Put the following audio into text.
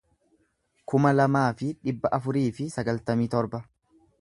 kuma lamaa fi dhibba afurii fi sagaltamii torba